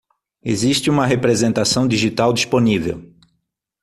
Existe uma representação digital disponível.